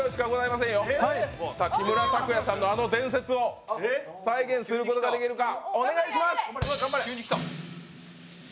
木村拓哉さんのあの伝説を再現することができるか。